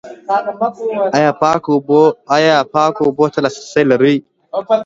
ایا پاکو اوبو ته لاسرسی لرئ؟